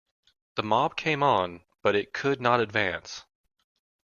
The mob came on, but it could not advance.